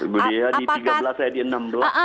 berbeda ya di tiga belas saya di enam doang